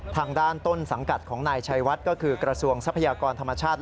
ทางด้านต้นสังกัดของนายชัยวัดก็คือกระทรวงทรัพยากรธรรมชาติ